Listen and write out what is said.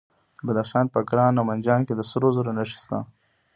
د بدخشان په کران او منجان کې د سرو زرو نښې شته.